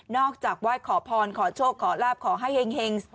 จากไหว้ขอพรขอโชคขอลาบขอให้เห็ง